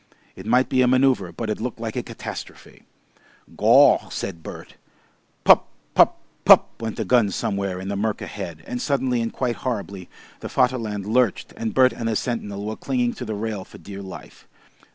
It might be a manoeuvre, but it looked like a catastrophe. "Gaw!" said Bert. "Pup pup pup" went a gun somewhere in the mirk ahead and suddenly and quite horribly the Vaterland lurched, and Bert and the sentinel were clinging to the rail for dear life.